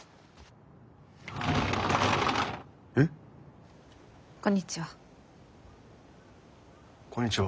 えっ？こんにちは。